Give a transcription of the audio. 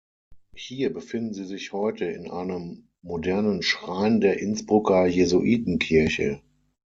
Hier befinden sie sich heute in einem modernen Schrein der Innsbrucker Jesuitenkirche.